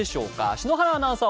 篠原アナウンサー